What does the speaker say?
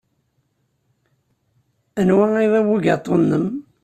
Anwa ay d abugaṭu-nnem?